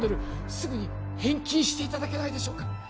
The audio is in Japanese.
すぐに返金していただけないでしょうか？